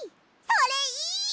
それいい！